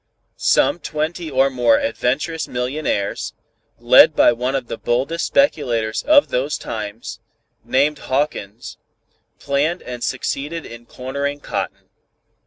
Some twenty or more adventurous millionaires, led by one of the boldest speculators of those times, named Hawkins, planned and succeeded in cornering cotton.